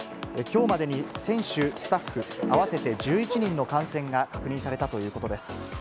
きょうまでに選手、スタッフ合わせて１１人の感染が確認されたということです。